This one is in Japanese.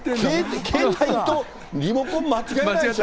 携帯とリモコン間違えないでしょ。